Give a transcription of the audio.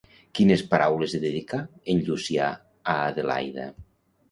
Quines paraules li dedicà en Llucià a Adelaida?